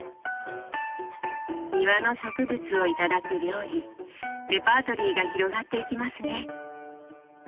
庭の植物を頂く料理レパートリーが広がっていきますね。